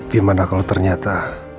dimana kalau ternyata